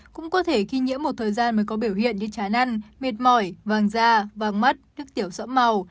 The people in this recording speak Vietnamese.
cũng có thể khi nhiễm một thời gian mới có biểu hiện như trái năn mệt mỏi vàng da vàng mắt nước tiểu sẫm màu